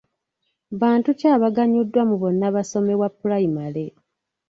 Bantu ki abaganyuddwa mu bonnabasome wa pulayimale?